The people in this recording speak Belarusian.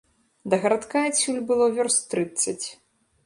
Да гарадка адсюль было вёрст трыццаць.